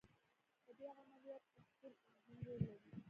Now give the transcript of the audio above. په دې عملیه پښتورګي مهم رول لري.